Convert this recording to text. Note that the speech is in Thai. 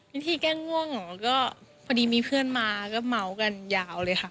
วิธีแก้ง่วงเหรอก็พอดีมีเพื่อนมาก็เหมากันยาวเลยค่ะ